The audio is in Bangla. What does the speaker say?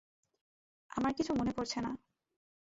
আমার কিছু মনে পরছে না।